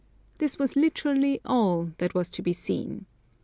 This was literally all that was to be seen.